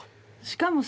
しかも。